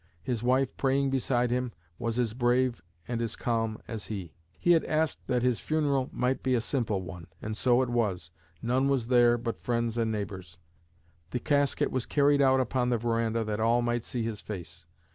His wife praying beside him was as brave and calm as he. He had asked that his funeral might be a simple one, and so it was. None was there but friends and neighbors. The casket was carried out upon the veranda that all might see his face.